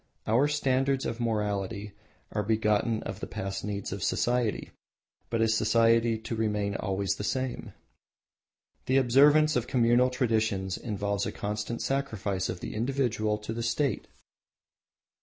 Our standards of morality are begotten of the past needs of society, but is society to remain always the same? The observance of communal traditions involves a constant sacrifice of the individual to the state.